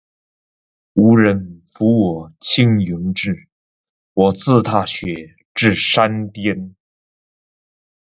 无人扶我青云志，我自踏雪至山巅。